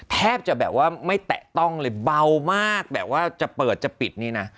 แทบจะแบบว่าไม่แตะต้องเลยเบามากแบบว่าจะเปิดจะปิดนี่นะ